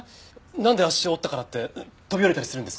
なんで足を折ったからって飛び降りたりするんですか？